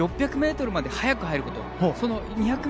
６００ｍまで早く入ること。